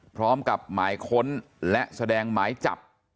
พร้อมกับหมายค้นและแสดงหมายจับ